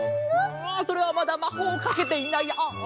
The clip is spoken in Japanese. ああそれはまだまほうをかけていないあっあっ。